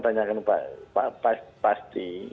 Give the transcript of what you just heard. tanyakan pak pasti